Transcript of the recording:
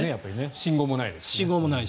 信号もないですし。